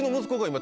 今。